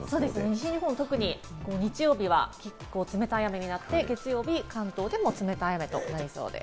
西日本は特に日曜日、冷たい雨になって月曜日は関東でも冷たい雨となりそうです。